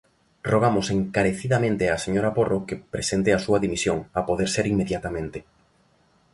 Rogamos encarecidamente á señora Porro que presente a súa dimisión, a poder ser inmediatamente.